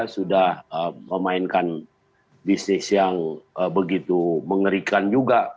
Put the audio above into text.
sudah memainkan bisnis yang begitu mengerikan juga